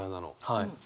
はい。